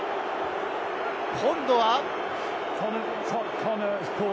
今度は。